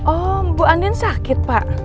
oh bu andin sakit pak